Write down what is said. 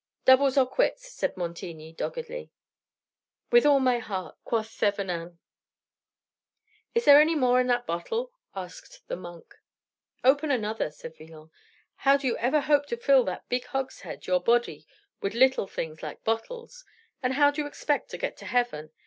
'" "Doubles or quits," said Montigny doggedly. "With all my heart," quoth Thevenin. "Is there any more in that bottle?" asked the monk. "Open another," said Villon. "How do you ever hope to fill that big hogshead, your body, with little things like bottles? And how do you expect to get to heaven?